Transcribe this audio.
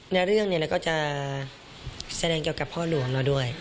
ในเรื่องนี้เราก็จะแสดงเกี่ยวกับพ่อหลวงเราด้วย